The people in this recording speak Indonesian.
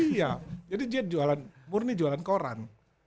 iya jadi dia jualan murni jualan koran